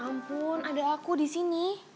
ampun ada aku di sini